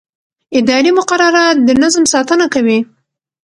اداري مقررات د نظم ساتنه کوي.